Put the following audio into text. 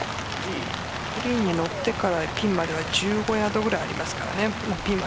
ピンにのってからピンまでは１５ヤードくらいあります。